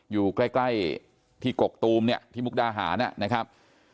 อยู่ใกล้ที่กกตูมเนี่ยที่มุกดาหารนะครับ